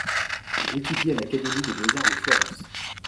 Il étudie à l'Académie des beaux-arts de Florence.